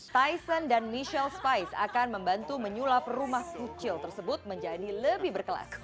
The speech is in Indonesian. tyson dan michelle spice akan membantu menyulap rumah sucil tersebut menjadi lebih berkelas